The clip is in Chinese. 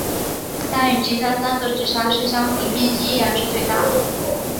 但与其他三个直辖市相比面积依然是最大的。